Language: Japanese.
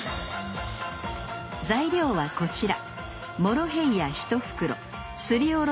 材料はこちら！